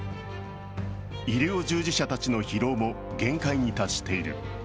医療従事者たちの疲労も限界に達している。